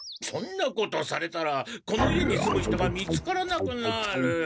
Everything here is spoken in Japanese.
そんなことされたらこの家に住む人が見つからなくなる。